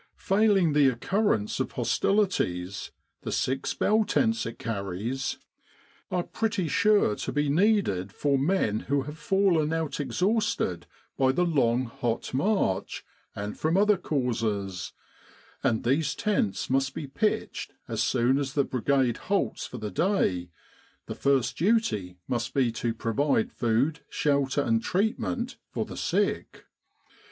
Failing the occurrence of hostilities the six bell tents it carries are pretty sure 92 IN AN R.A.M.C. CAMP. CAMELS WAITING FOR THEIR LOAD OF WOUNDED. Kantara and Katia to be needed for men who have fallen out exhausted by the long hot march, and from other causes; and these tents must be pitched as. soon as the Brigade halts for the day the first duty must be to provide food, shelter, and treatment fgr the sick.